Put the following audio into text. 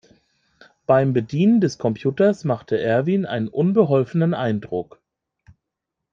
Beim Bedienen des Computers machte Erwin einen unbeholfenen Eindruck.